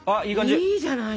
あいいじゃない！